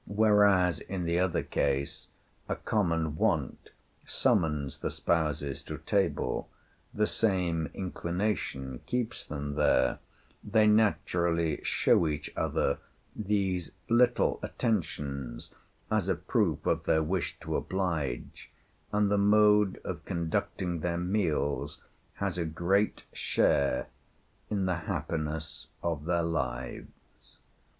Whereas, in the other case, a common want summons the spouses to table, the same inclination keeps them there; they naturally show each other these little attentions as a proof of their wish to oblige, and the mode of conducting their meals has a great share in the happiness of their lives.